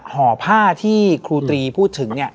หอผ้าที่ครูตรีพูดถึง